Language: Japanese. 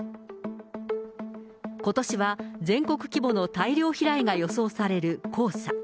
ことしは全国規模の大量飛来が予想される黄砂。